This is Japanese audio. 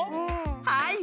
はい。